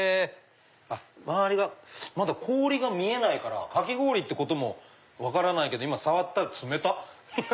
周りがまだ氷が見えないからかき氷って分からないけど触ったら冷たっ！